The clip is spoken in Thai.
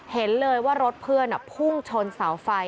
เห็นเลยว่ารถเพื่อนพุ่งชนเสาไฟ